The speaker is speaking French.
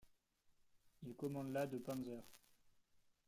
Il commande la de panzers.